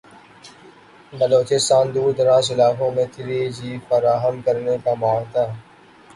بلوچستان دوردراز علاقوں میں تھری جی فراہم کرنے کا معاہدہ